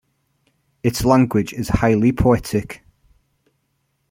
Its language is highly poetic.